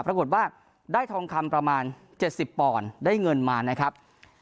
ปรากฏว่าได้ทองคำประมาณ๗๐ปอนด์ได้เงินมานะครับ